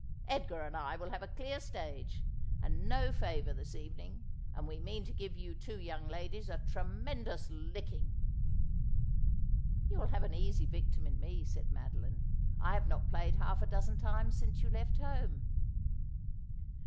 Edgar and I will have a clear stage and no favour this evening, and we mean to give you two young ladies a tremendous licking.' ' You will have an easy victim in me,' said Madoline. ' I have not played half a dozen times since you left home.'